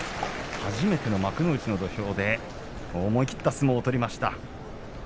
初めての幕内の土俵思い切った相撲を取りました。